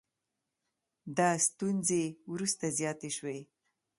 دا ستونزې وروسته زیاتې شوې